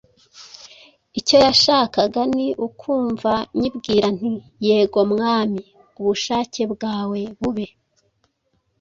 Icyo yashakaga ni ukumva nyibwira nti, “yego mwami ubushake bwawe bube.”